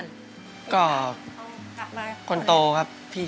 อันดับนี้เป็นแบบนี้